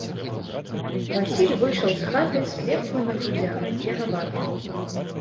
Васіль выйшаў з хаты з кветкаю на грудзях, п'янаваты.